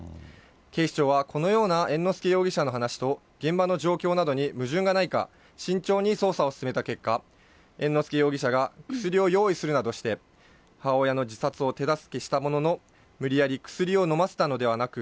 警視庁はこのような猿之助容疑者の話と、現場の状況などに矛盾がないか、慎重に捜査を進めた結果、猿之助容疑者が薬を用意するなどして、母親の自殺を手助けしたものの、無理やり薬を飲ませたのではなく、